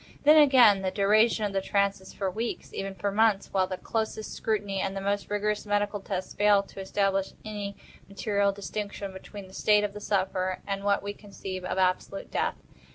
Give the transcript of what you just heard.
Then again the duration of the trance is for weeks—even for months; while the closest scrutiny, and the most rigorous medical tests, fail to establish any material distinction between the state of the sufferer and what we conceive of absolute death.